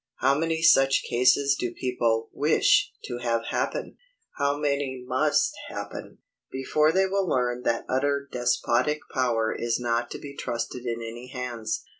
How many such cases do people wish to have happen?—how many must happen, before they will learn that utter despotic power is not to be trusted in any hands?